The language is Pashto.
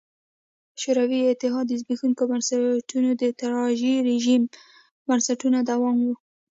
شوروي اتحاد زبېښونکي بنسټونه د تزاري رژیم بنسټونو دوام و.